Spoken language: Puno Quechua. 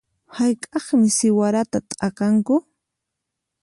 Hayk'aqmi siwarata t'akanku?